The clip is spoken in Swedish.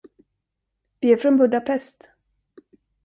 Vi är från Budapest.